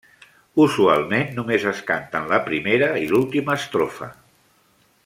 Usualment només es canten la primera i l'última estrofa.